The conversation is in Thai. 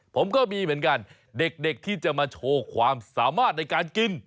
ผมก็มีเหมือนกันเด็กที่จะมาโชว์ความสามารถในการกิน